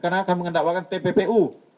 karena kami mengandalkan tppu